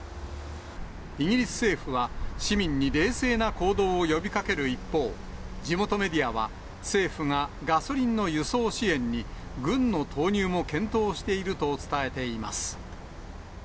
イギリス政府は、市民に冷静な行動を呼びかける一方、地元メディアは、政府がガソリンの輸送支援に軍の投入も検討していると伝えています。